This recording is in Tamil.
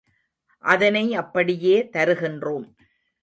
அதனை அப்படியே தருகின்றோம்.